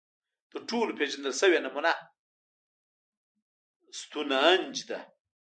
تر ټولو پېژندل شوې نمونه ستونهنج ده.